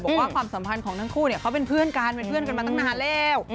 ความสัมพันธ์ของทั้งคู่เขาเป็นเพื่อนกันเป็นเพื่อนกันมาตั้งนานแล้ว